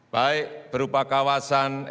baik berupa kawasan ekonomi maju